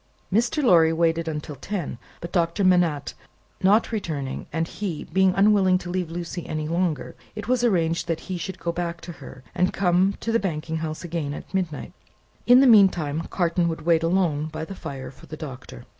Mr. Lorry waited until ten; but, Doctor Manette not returning, and he being unwilling to leave Lucie any longer, it was arranged that he should go back to her, and come to the banking house again at midnight. In the meanwhile, Carton would wait alone by the fire for the Doctor.